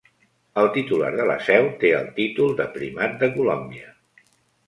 El titular de la seu té el títol de Primat de Colòmbia.